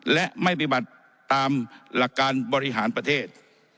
และไม่ปฏิบัติตามหลักการบริหารประเทศ